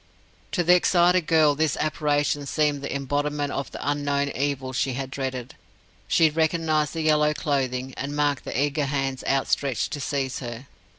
To the excited girl this apparition seemed the embodiment of the unknown evil she had dreaded. She recognized the yellow clothing, and marked the eager hands outstretched to seize her.